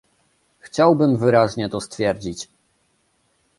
Chciałbym wyraźnie to stwierdzić